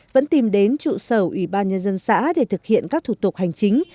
vẫn tìm đến trụ sở ủy ban nhân dân xã để thực hiện các thủ tục hành chính